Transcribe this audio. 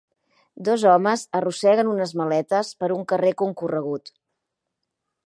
Dos homes arrosseguen unes maletes per un carrer concorregut.